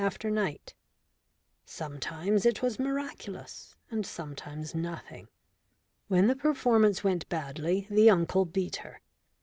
Night after night. Sometimes it was miraculous and sometimes nothing. When the performance went badly, the uncle beat her.